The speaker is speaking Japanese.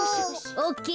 オッケー。